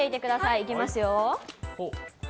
いきますよ。